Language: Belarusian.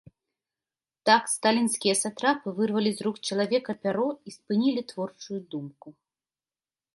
Так сталінскія сатрапы вырвалі з рук чалавека пяро і спынілі творчую думку.